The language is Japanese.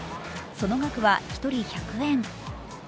その額は１人１００円。